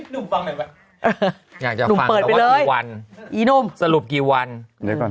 นุ่มฟังหน่อยว่ะอยากจะฟังแล้วว่ากี่วันอีนุ่มสรุปกี่วันเดี๋ยวก่อน